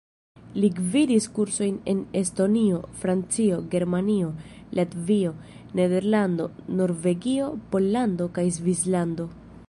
Li gvidis kursojn en Estonio, Francio, Germanio, Latvio, Nederlando, Norvegio, Pollando kaj Svislando.